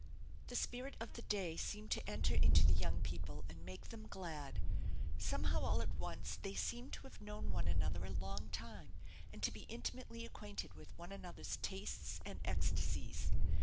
The spirit of the day seemed to enter into the young people and make them glad. Somehow all at once they seemed to have known one another a long time, and to be intimately acquainted with one another's tastes and ecstasies.